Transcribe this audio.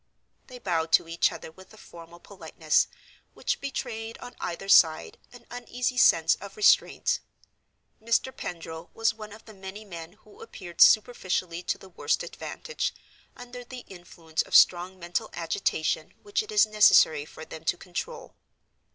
They bowed to each other with a formal politeness, which betrayed on either side an uneasy sense of restraint. Mr. Pendril was one of the many men who appear superficially to the worst advantage, under the influence of strong mental agitation which it is necessary for them to control.